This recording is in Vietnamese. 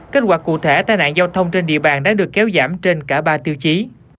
kết quả cụ thể tai nạn giao thông trên địa bàn đã được kéo giảm trên cả ba tiêu chí